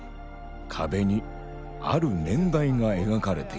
壁にある年代が描かれています。